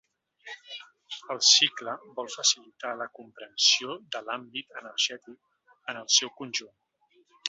El cicle vol facilitar la comprensió de l’àmbit energètic en el seu conjunt.